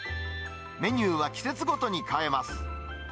メニューは季節ごとに変えます。